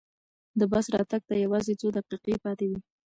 د بس راتګ ته یوازې څو دقیقې پاتې وې.